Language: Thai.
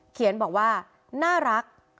เขียนบอกว่าน่ารัก